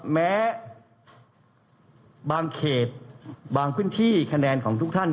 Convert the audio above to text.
แม้บางเขตบางพื้นที่คะแนนของทุกท่าน